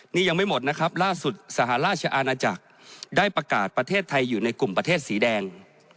นี่ยังไม่หมดนะครับล่าสุดสหราชอาณาจักรได้ประกาศประเทศไทยอยู่ในกลุ่มประเทศสีแดง